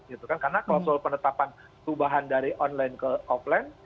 karena klausul penetapan perubahan dari online ke offline